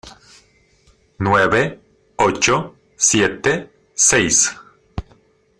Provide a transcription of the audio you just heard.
Nueve, ocho , siete , seis...